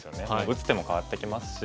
打つ手も変わってきますし。